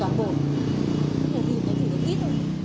không hiểu gì